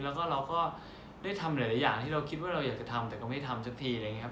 แล้วก็เราก็ได้ทำหลายอย่างที่เราคิดว่าเราอยากจะทำแต่ก็ไม่ทำสักทีอะไรอย่างนี้ครับ